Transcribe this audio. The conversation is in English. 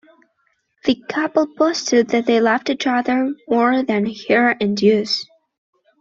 The couple boasted that they loved each other more than Hera and Zeus.